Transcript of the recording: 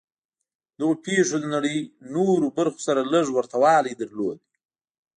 دغو پېښو د نړۍ نورو برخو سره لږ ورته والی درلود